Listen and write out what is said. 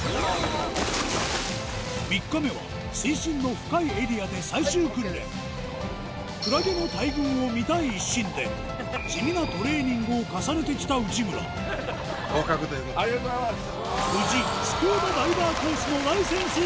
３日目は水深の深いエリアで最終訓練クラゲの大群を見たい一心で地味なトレーニングを重ねてきた内村ありがとうございます！